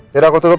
jadi aku terserah